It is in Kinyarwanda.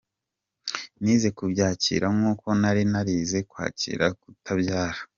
Nize kubyakira nk’uko nari narize kwakira kutabyara.